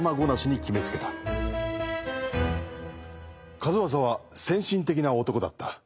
数正は先進的な男だった。